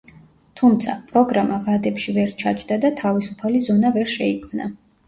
თუმცა, პროგრამა ვადებში ვერ ჩაჯდა და თავისუფალი ზონა ვერ შეიქმნა.